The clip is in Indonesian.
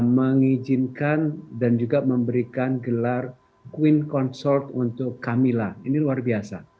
mengizinkan dan juga memberikan gelar queen consort untuk camilla ini luar biasa